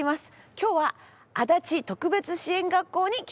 今日は足立特別支援学校に来ています。